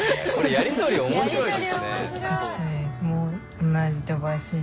やり取り面白い。